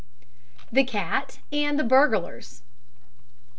THE CAT AND THE BURGLARS.